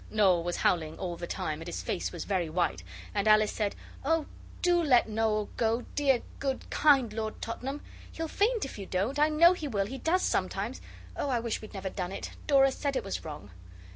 Noel was howling all the time, and his face was very white, and Alice said 'Oh, do let Noel go, dear, good, kind Lord Tottenham; he'll faint if you don't, I know he will, he does sometimes. Oh, I wish we'd never done it! Dora said it was wrong.